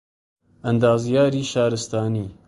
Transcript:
ئەندازیاریی شارستانی